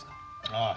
ああ。